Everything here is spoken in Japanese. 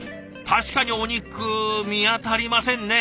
確かにお肉見当たりませんね。